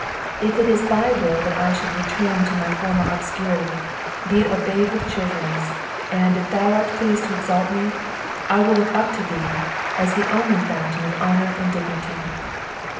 If it is thy will that I should return to my former obscurity, be it obeyed with cheerfulness; and, if thou art pleased to exalt me, I will look up to thee, as the only fountain of honour and dignity."